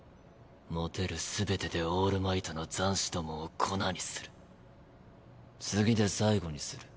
持てる全てでオールマイトの残滓どもを粉にする次で最後にする。